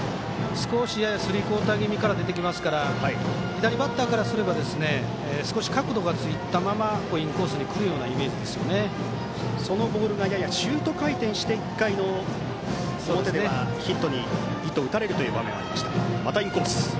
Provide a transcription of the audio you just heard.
少しスリークオーター気味から出てきますから左バッターからすれば少し角度がついたままインコースにくるようなそのボールが、ややシュート回転して１回の表からヒットを打たれる場面がありました。